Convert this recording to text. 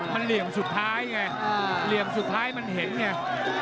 มันเหลี่ยมสุดท้ายไงเหลี่ยมสุดท้ายมันเห็นไง